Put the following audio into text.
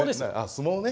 相撲ね。